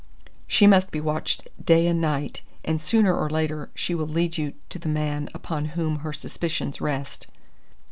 She must be watched day and night, and sooner or later, she will lead you to the man upon whom her suspicions rest.